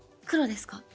黒ですか？